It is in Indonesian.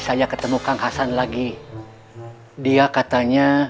saya balik lagi ke pasar ya